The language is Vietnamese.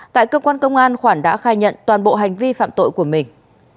tại cơ quan công an khoản đã khai nhận toàn bộ hành vi phạm tội của mình